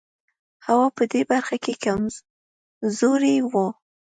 هوا په دې برخه کې کمزوری و.